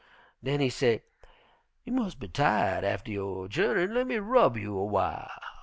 Den he say, 'You mus' be tired atter yo' journeyin', lemme rub you a w'iles.'